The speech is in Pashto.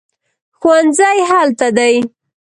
ښوونځی هلته دی